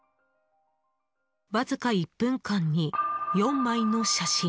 わずか１分間に４枚の写真。